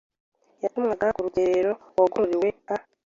yatumwaga ku rugerero wagororewe nka